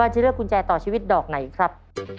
จะเลือกกุญแจต่อชีวิตดอกไหนครับ